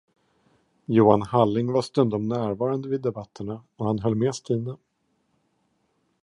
Johan Halling var stundom närvarande vid debatterna och han höll med Stina.